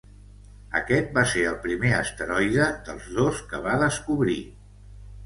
Aquest va ser el primer asteroide dels dos que va descobrir.